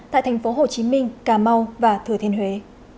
tại thành phố hồ chí minh cà mau và thừa thiên huế